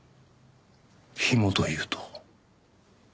紐というと？